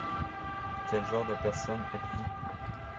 Quel genre de personne êtes-vous ?